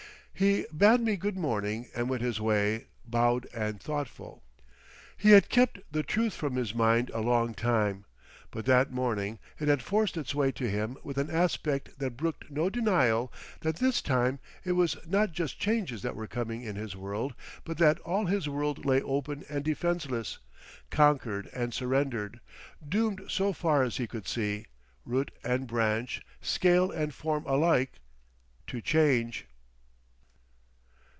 He bade me good morning and went his way, bowed and thoughtful.... He had kept the truth from his mind a long time, but that morning it had forced its way to him with an aspect that brooked no denial that this time it was not just changes that were coming in his world, but that all his world lay open and defenceless, conquered and surrendered, doomed so far as he could see, root and branch, scale and form alike, to change.